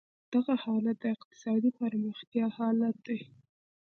دغه حالت د اقتصادي پرمختیا حالت دی.